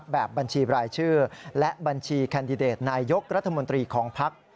แบบบัญชีรายชื่อและบัญชีแคนดิเดตนายกรัฐมนตรีของภักดิ์